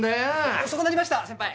遅くなりました先輩！